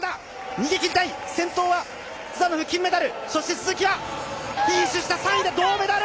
逃げきりたい、先頭は、金メダル、そして鈴木はフィニッシュした、３位で銅メダル！